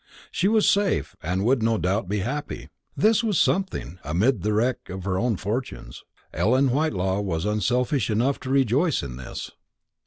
She was safe, and would no doubt be happy. This was something. Amid the wreck of her own fortunes, Ellen Whitelaw was unselfish enough to rejoice in this.